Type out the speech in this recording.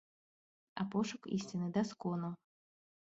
А пошук ісціны да скону.